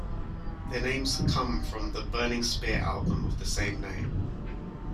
Their names come from the Burning Spear album of the same name.